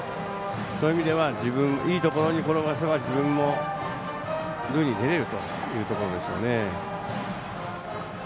そういう意味ではいいところに転がせば自分も塁に出れるということですよね。